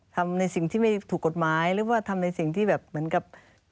ทำในสิ่งที่ไม่ถูกกฎหมายหรือว่าทำในสิ่งที่แบบเหมือนกับ